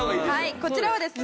こちらはですね